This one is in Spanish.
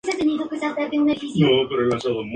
Este sería su nombre primitivo.